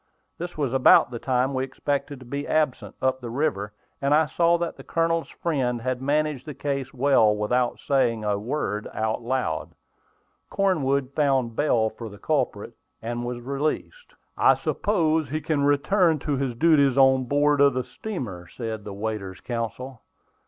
This was about the time we expected to be absent up the river, and I saw that the Colonel's friend had managed the case well without saying a word out loud. Cornwood found bail for the culprit, and he was released. "I suppose he can return to his duties on board of the steamer," said the waiter's counsel.